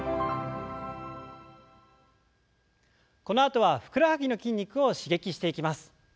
このあとはふくらはぎの筋肉を刺激していきます。